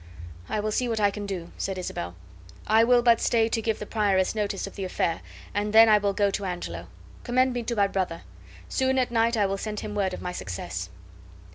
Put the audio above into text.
"I will see what I can do said Isabel. "I will but stay to give the prioress notice of the affair, and then I will go to Angelo. Commend me to my brother. Soon at night I will send him word of my success."